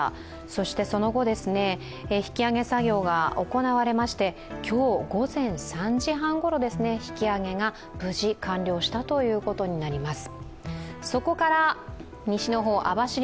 そしてその後、引き揚げ作業が行われまして今日午前３時半ごろ、引き揚げが無事完了したということになります。